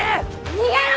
逃げろ！